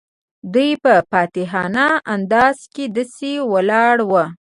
دوی په فاتحانه انداز کې داسې ولاړ وو.